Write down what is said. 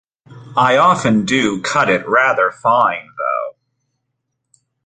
I often do cut it rather fine, though.